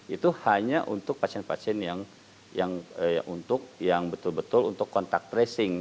itu hanya untuk pasien pasien yang betul betul untuk kontak tracing